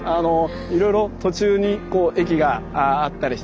いろいろ途中に駅があったりしてですね